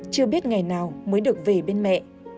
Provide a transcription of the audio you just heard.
chưa biết ngày nào mới được về bên mẹ